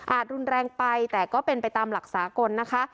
รุนแรงไปแต่ก็เป็นไปตามหลักสากลนะคะ